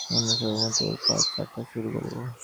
অন্য সবার মতো ওর পা চাটা শুরু করব?